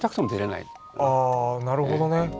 ああなるほどね。